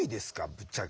ぶっちゃけ。